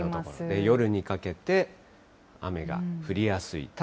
夜にかけて、雨が降りやすい。